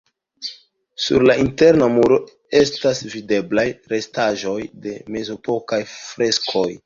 Sur la interna muro estas videblaj restaĵoj de mezepokaj freskoj.